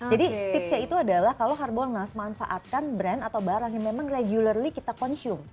jadi tipsnya itu adalah kalau harbolnas manfaatkan brand atau barang yang memang regularly kita consume